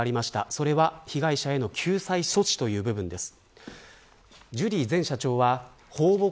それは被害者への救済措置という部分です。